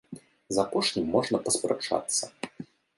З апошнім можна паспрачацца.